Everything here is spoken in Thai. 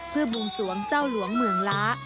เพื่อบวงสวงเจ้าหลวงเมืองล้า